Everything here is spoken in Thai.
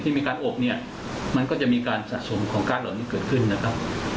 มีการอบเนี่ยมันก็จะมีการสะสมของก้าเหล่านี้เกิดขึ้นนะครับ